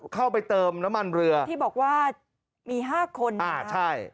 เข้าไปเติมน้ำมันเรือที่บอกว่ามีห้าคนอ่าใช่